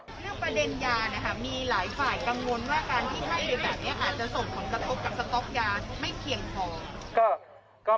ประเด็นยานะครับมีหลายฝ่ายกังวลว่าการที่ให้อย่างแบบนี้อาจจะสนพนทกษ์กับสต๊อกยา